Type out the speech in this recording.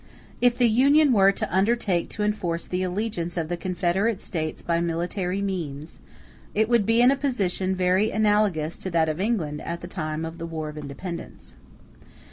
If the Union were to undertake to enforce the allegiance of the confederate States by military means, it would be in a position very analogous to that of England at the time of the War of Independence.